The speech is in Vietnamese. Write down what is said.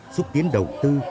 xúc tiến đầu tư